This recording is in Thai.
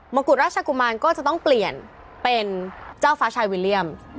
กุฎราชกุมารก็จะต้องเปลี่ยนเป็นเจ้าฟ้าชายวิลเลี่ยม